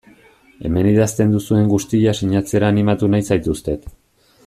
Hemen idazten duzuen guztia sinatzera animatu nahi zaituztet.